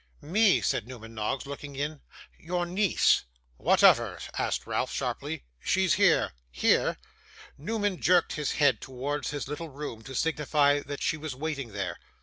'Me,' said Newman Noggs, looking in. 'Your niece.' 'What of her?' asked Ralph sharply. 'She's here.' 'Here!' Newman jerked his head towards his little room, to signify that she was waiting there.